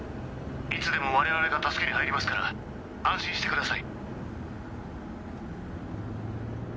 いつでも我々が助けに入りますから安心してください